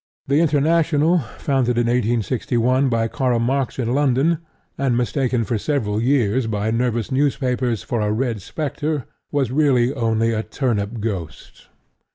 The International, founded in 1861 by Karl Marx in London, and mistaken for several years by nervous newspapers for a red spectre, was really only a turnip ghost.